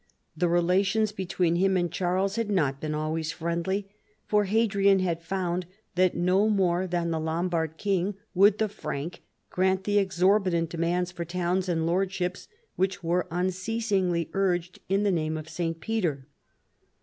The relations between him and Charles had not been always friendly, for Hadrian had found that no more than the Lombard king would the Frank grant the exorbitant demands for towns and lordships which were unceasingly urged in the name of St, Peter.